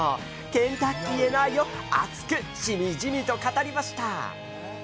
ケンタッキーへの愛を熱くしみじみと語りました。